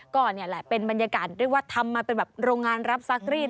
ก็เป็นบรรยากาศเรียกว่าทำมาเป็นโรงงานรับซักรีด